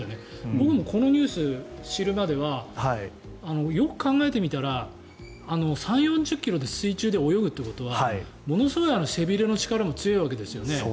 僕もこのニュースを知るまではよく考えてみたら３０ｋｍ４０ｋｍで水中で泳ぐということはものすごい背びれの力も強いわけですよね。